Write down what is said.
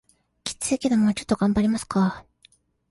キツいけどもうちょっと頑張りますか